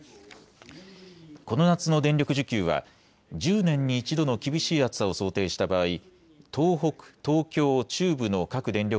この夏の電力需給は１０年に１度の厳しい暑さを想定しした場合、東北、東京、中部の各電力